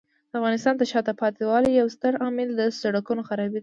د افغانستان د شاته پاتې والي یو ستر عامل د سړکونو خرابي دی.